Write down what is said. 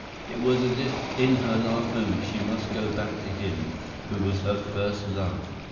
It was as if in her last moments she must go back to him who was her first love.